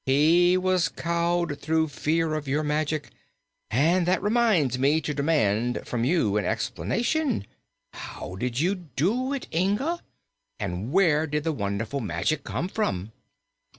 He was cowed through fear of your magic, and that reminds me to demand from you an explanation. How did you do it, Inga? And where did the wonderful magic come from?"